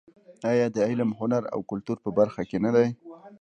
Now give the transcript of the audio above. آیا د علم، هنر او کلتور په برخه کې نه دی؟